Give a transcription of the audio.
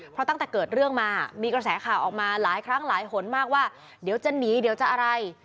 เพราะตั้งแต่เกิดเรื่องมามีกระแสข่าวออกมาหลายครั้งหลายหนมากว่าเดี๋ยวจะหนีเดี๋ยวจะอะไร